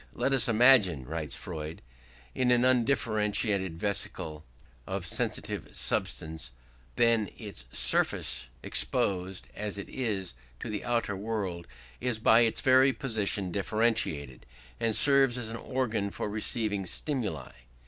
"Let us imagine [writes Freud] an undifferentiated vesicle of sensitive substance: then its surface, exposed as it is to the outer world, is by its very position differentiated, and serves as an organ for receiving stimuli....